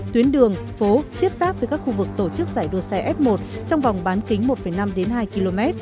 tuyến đường phố tiếp xác với các khu vực tổ chức giải đua xe f một trong vòng bán kính một năm hai km